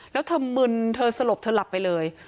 แล้วเธอมึนเธอสลบเธอหลับไปเลย